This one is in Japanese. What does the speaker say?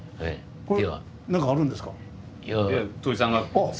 これ何かあるんですか？